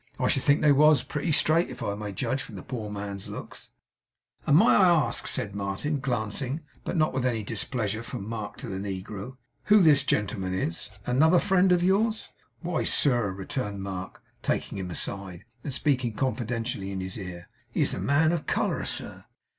I should think they was, pretty straight, if I may judge from the poor man's looks.' 'And may I ask,' said Martin, glancing, but not with any displeasure, from Mark to the negro, 'who this gentleman is? Another friend of yours?' 'Why sir,' returned Mark, taking him aside, and speaking confidentially in his ear, 'he's a man of colour, sir!